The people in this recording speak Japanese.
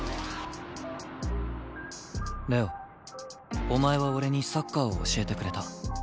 玲王お前は俺にサッカーを教えてくれた。